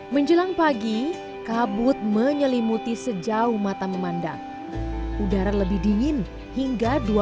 menjelang pagi kabut menyelimuti sejauh mata memandang udara lebih dingin hingga